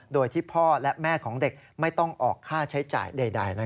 โดยที่พ่อและแม่ของเด็กไม่ต้องออกค่าใช้จ่ายใด